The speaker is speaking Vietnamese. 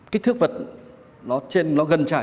kích thước vật nó gần trải